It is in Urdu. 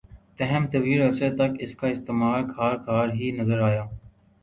تاہم ، طویل عرصے تک اس کا استعمال خال خال ہی نظر آیا